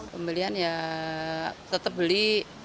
pembelian ya tetap beli